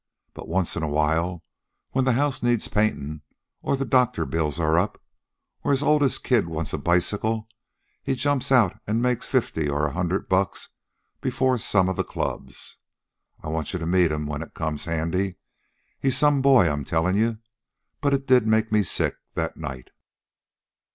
But once in a while, when the house needs paintin', or the doctor bills are up, or his oldest kid wants a bicycle, he jumps out an' makes fifty or a hundred bucks before some of the clubs. I want you to meet him when it comes handy. He's some boy I'm tellin' you. But it did make me sick that night."